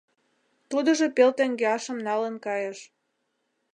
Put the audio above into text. Тудыжо пел теҥгеашым налын кайыш.